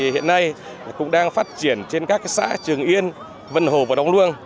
hiện nay cũng đang phát triển trên các xã trường yên vân hồ và đông luông